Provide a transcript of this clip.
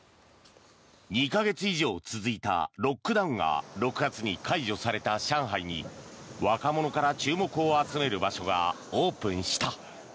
２か月以上続いたロックダウンが６月に解除された上海に若者から注目を集める場所がオープンした。